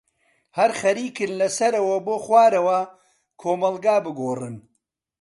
هەر خەرێکن لەسەرەوە بۆ خوارە کۆمەلگا بگۆرن.